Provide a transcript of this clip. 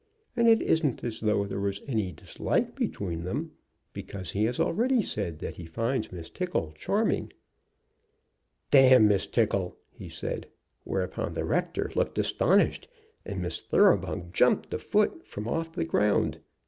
And it isn't as though there was any dislike between them, because he has already said that he finds Miss Tickle charming." "D Miss Tickle!" he said; whereupon the rector looked astonished, and Miss Thoroughbung jumped a foot from off the ground.